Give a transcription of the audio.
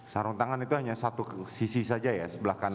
sarung tangan itu hanya satu sisi saja ya sebelah kanan